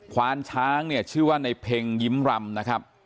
ควานช้างเนี่ยชื่อว่าในเพ็งยิ้มรำนะครับ